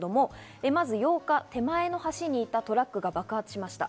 まず８日、手前の橋にいたトラックが爆発しました。